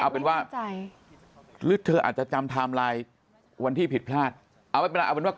ไม่แน่นว่าไม่เข้าใจ